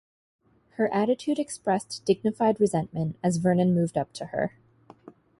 Her attitude expressed dignified resentment as Vernon moved up to her.